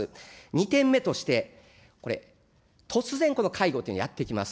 ２点目として、これ、突然、この介護というのはやって来ます。